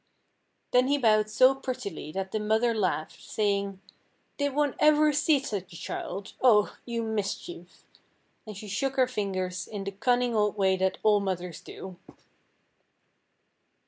Then he bowed so prettily that the mother laughed, saying, "did one ever see such a child? oh! you mischief," and she shook her fingers in the cunning old way that all mothers do.